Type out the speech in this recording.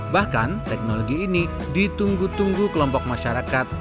bahkan teknologi ini ditunggu tunggu kelompok masyarakat